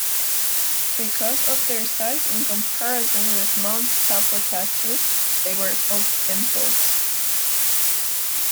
Because of their size in comparison with Mount Tapotchau, they were called pimples.